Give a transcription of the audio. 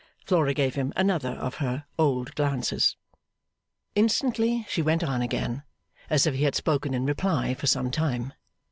Flora gave him another of her old glances. Instantly she went on again, as if he had spoken in reply for some time.